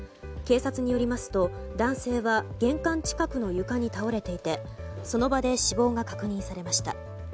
警察によりますと男性は玄関近くの床に倒れていてその場で死亡が確認されました。